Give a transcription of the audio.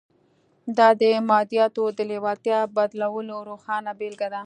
دا د مادیاتو د لېوالتیا بدلولو روښانه بېلګه ده